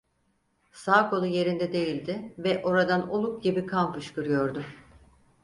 Sağ kolu yerinde değildi ve oradan oluk gibi kan fışkırıyordu.